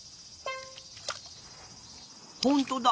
ほんとだ！